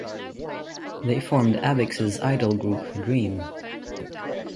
They formed Avex's idol group Dream.